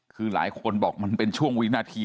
คือหลายคนบอกมันเป็นช่วงวินาที